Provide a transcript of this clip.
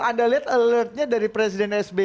anda lihat alertnya dari presiden sbi